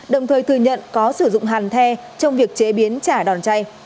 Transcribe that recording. đồng thời thừa nhận có sử dụng hàn the trong việc chế biến chả đòn chay